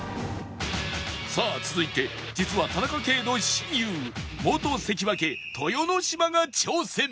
さあ続いて実は田中圭の親友元関脇豊ノ島が挑戦